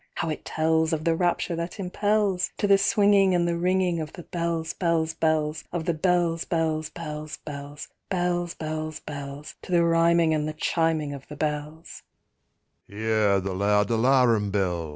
—how it tells Of the rapture that impels To the swinging and the ringing Of the bells, bells, bells— Of the bells, bells, bells, bells, Bells, bells, bells— To the rhyming and the chiming of the bells!